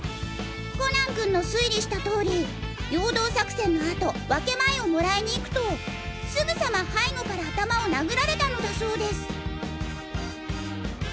コナン君の推理した通り陽動作戦の後分け前をもらいにいくとすぐさま背後から頭を殴られたのだそうです」。